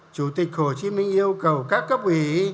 chủ tịch hồ chí minh yêu cầu các cấp ủy